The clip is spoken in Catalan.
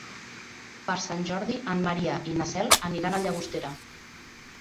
Per Sant Jordi en Maria i na Cel aniran a Llagostera.